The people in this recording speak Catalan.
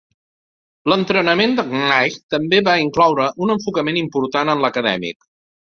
L'entrenament de Knight també va incloure un enfocament important en l'acadèmic.